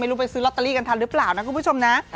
รู้ไปซื้อลอตเตอรี่กันทันหรือเปล่านะคุณผู้ชมนะ